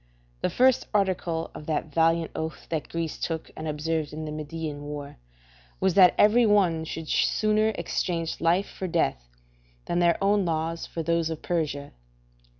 The first article of that valiant oath that Greece took and observed in the Median war, was that every one should sooner exchange life for death, than their own laws for those of Persia.